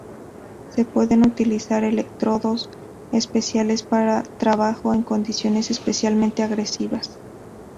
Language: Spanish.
Se pueden utilizar electrodos especiales para trabajo en condiciones especialmente agresivas.